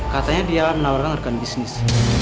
katanya dia menawarkan rekan bisnis